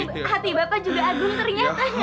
hati bapak juga agung ternyata